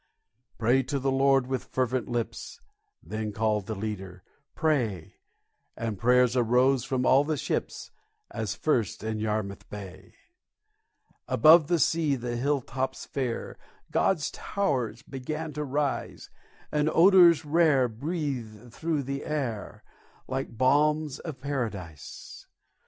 "Pray to the Lord with fervent lips," Then called the leader, "pray;" And prayer arose from all the ships, As first in Yarmouth Bay. Above the sea the hill tops fair God's towers began to rise, And odors rare breathe through the air, Like balms of Paradise.